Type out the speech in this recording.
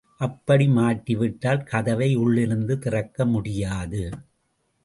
அப்படி மாட்டிவிட்டால் கதவை உள்ளிருந்து திறக்க முடியாது.